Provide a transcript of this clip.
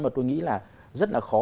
mà tôi nghĩ là rất là khó